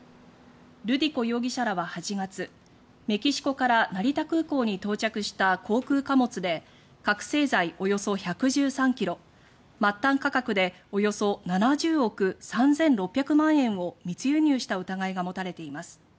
ルディコ容疑者らは８月メキシコから成田空港に到着した航空貨物で覚醒剤およそ１１３ｋｇ末端価格でおよそ７０億３６００万円を密輸入した疑いが持たれています。